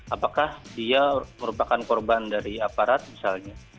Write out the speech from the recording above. apakah dia merupakan korban dari aparat misalnya